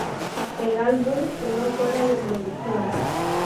El álbum quedó fuera de producción.